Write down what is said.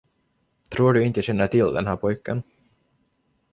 Tror du inte jag känner till den här pojken?